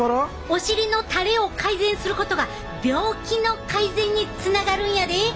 お尻のたれを改善することが病気の改善につながるんやで。